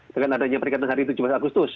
dengan adanya perikatan hari itu jumat dan agustus